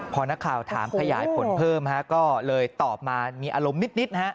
พอนักข่าวถามขยายผลเพิ่มก็เลยตอบมามีอารมณ์นิดนะฮะ